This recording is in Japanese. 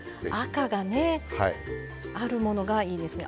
赤がねあるものがいいんですね。